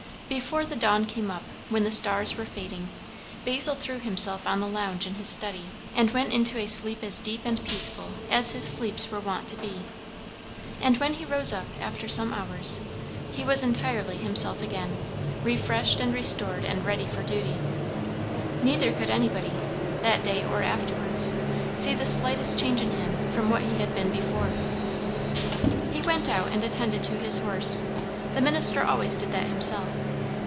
Before the dawn came up, when the stars were fading, Basil threw himself on the lounge in his study, and went into a sleep as deep and peaceful as his sleeps were wont to be. And when he rose up, after some hours, he was entirely himself again; refreshed and restored and ready for duty. Neither could anybody, that day or afterwards, see the slightest change in him from what he had been before. He went out and attended to his horse; the minister always did that himself.